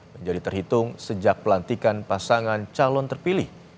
menjadi terhitung sejak pelantikan pasangan calon terpilih